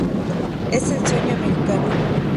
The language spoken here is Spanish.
Es el sueño americano.